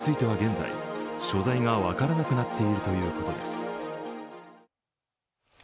子猫については、現在所在が分からなくなっているということです。